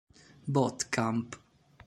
Boot Camp